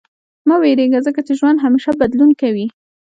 • مه وېرېږه، ځکه چې ژوند همېشه بدلون کوي.